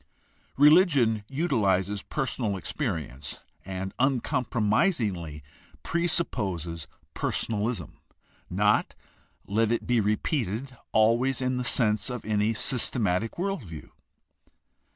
Religion utilizes personal experience and uncompromisingly pre supposes personalism — not, let it be repeated, always in the sense of any systematic world view.